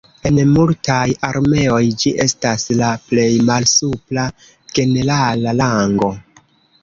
En multaj armeoj ĝi estas la plej malsupra generala rango.